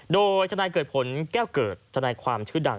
โดยจะได้เกิดผลแก้วเกิดจะได้ความชื่อดัง